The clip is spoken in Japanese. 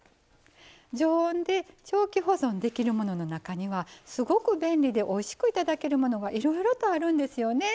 常温で長期保存できるものの中にはすごく便利でおいしくいただけるものがいろいろとあるんですよね。